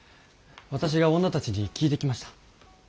私が女たちに聞いてきました。